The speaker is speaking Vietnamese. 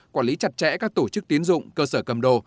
quản lý chặt chẽ các tổ chức tiến dụng cơ sở cầm đồ